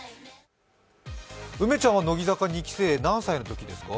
梅ちゃんは乃木坂２期生、何歳のときですか？